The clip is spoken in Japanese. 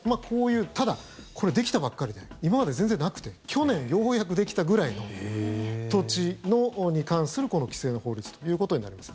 ただこれ、できたばっかりで今まで全然なくて去年、ようやくできたぐらいの土地に関する規制の法律ということになります。